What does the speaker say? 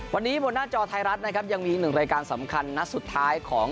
วันนี้บนหน้าจอไทยรัฐนะครับยังมีอีกหนึ่งรายการสำคัญนัดสุดท้ายของ